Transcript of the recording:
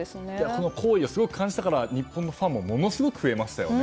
その好意をすごく感じたから日本のファンもものすごく増えましたよね